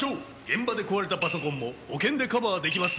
現場で壊れたパソコンも保険でカバーできますよ！